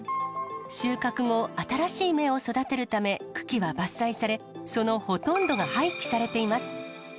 収穫後、新しい芽を育てるため、茎は伐採され、そのほとんどが廃棄されています。